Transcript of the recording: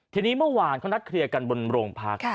ทีนี้เมื่อวานเขานัดเคลียร์กันบนโรงพัก